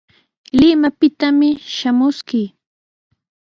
Limapitami shamuskii.